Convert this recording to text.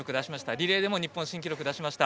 リレーでも日本新記録出しました。